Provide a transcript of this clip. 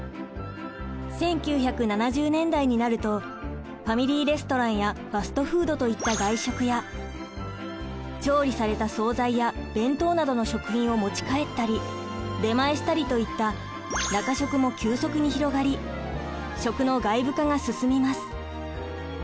１９７０年代になるとファミリーレストランやファストフードといった外食や調理された総菜や弁当などの食品を持ち帰ったり出前したりといった中食も急速に広がり食の外部化が進みます。